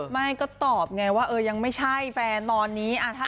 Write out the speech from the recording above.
ไม่ก็ตอบไงว่ายังไม่ใช่แฟนตอนนี้